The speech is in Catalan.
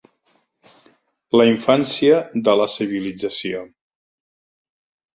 La infància de la civilització.